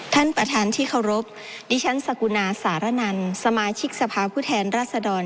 ท่านประธานที่เคารพดิฉันสกุณาสารนันสมาชิกสภาพผู้แทนรัศดร